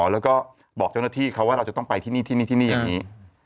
แล้วก็บอกเจ้าหน้าที่เขาว่าเราจะต้องไปที่นี่ที่นี่ที่นี่อย่างนี้